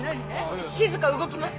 しずか動きます！